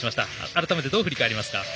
改めて、どう振り返りますか？